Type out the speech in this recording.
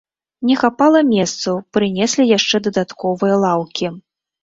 Не хапала месцаў, прынеслі яшчэ дадатковыя лаўкі.